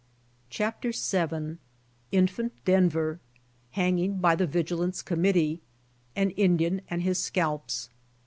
CHAPTER yil. INFANT DENVER. — HANGING BY THE VIGILANCE COM MITTEE. AN INDIAN AND HIS SCALPS.